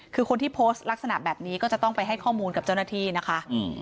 คือคนที่โพสต์ลักษณะแบบนี้ก็จะต้องไปให้ข้อมูลกับเจ้าหน้าที่นะคะ